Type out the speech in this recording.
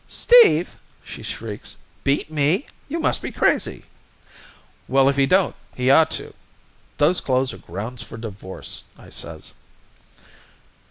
"'Steve!' she shrieks, 'beat me! You must be crazy!' "'Well, if he don't, he ought to. Those clothes are grounds for divorce,' I says.